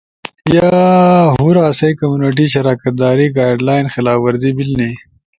یا ہور آسئی کمیونٹی شراکت داری گائیڈلائن خلاف ورزی بیلنی